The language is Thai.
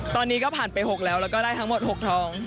ตอนนี้ก็ผ่านไป๖แล้วแล้วก็ได้ทั้งหมด๖ทอง